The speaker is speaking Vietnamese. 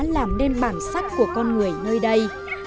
làm nên bản sắc của con người nơi đây